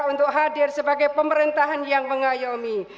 untuk hadir sebagai pemerintahan yang mengayomi